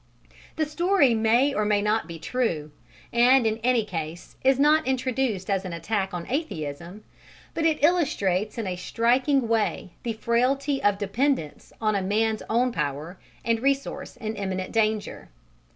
The story may or may not be true, and in any case is not introduced as an attack on atheism, but it illustrates in a striking way the frailty of dependence on a man's own power and resource in imminent danger.